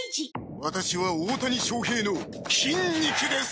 私は大谷翔平の筋肉です。